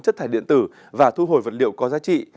chất thải điện tử và thu hồi vật liệu có giá trị